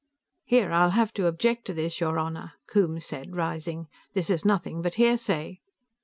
"Here, I'll have to object to this, your Honor," Coombes said, rising. "This is nothing but hearsay."